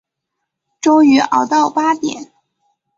终于熬到八点